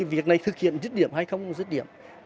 việc này thực hiện dứt điểm hay không dứt điểm